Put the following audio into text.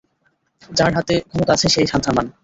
যার হাতে ক্ষমতা আছে সেই সান্থানাম!